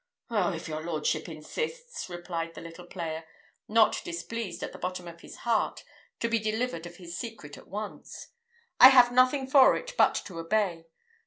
"Oh, if your lordship insists," replied the little player, not displeased at the bottom of his heart to be delivered of his secret at once, "I have nothing for it but to obey.